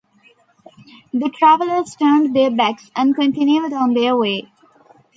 The travellers turned their backs and continued on their way.